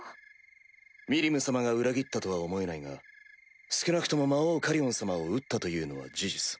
ミリム様が裏切ったとは思えないが少なくとも魔王カリオン様を討ったというのは事実。